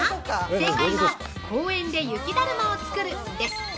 正解は「公園で雪だるまをつくる」です。